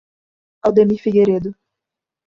Aldemir Figueiredo